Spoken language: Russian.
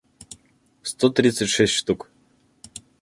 сто тридцать шесть штук